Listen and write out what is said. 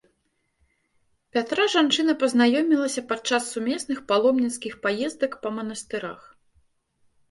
Пятра жанчына пазнаёмілася падчас сумесных паломніцкіх паездак па манастырах.